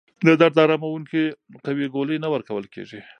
د درد اراموونکې قوي ګولۍ نه ورکول کېږي.